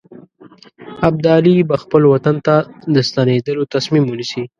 ابدالي به خپل وطن ته د ستنېدلو تصمیم ونیسي.